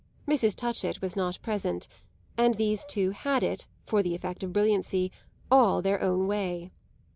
Mrs. Touchett was not present, and these two had it, for the effect of brilliancy, all their own way.